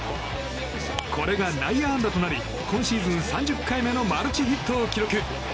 これが内野安打となり今シーズン３０回目のマルチヒットを記録。